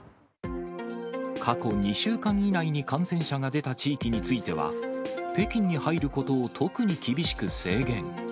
過去２週間以内に感染者が出た地域については、北京に入ることを特に厳しく制限。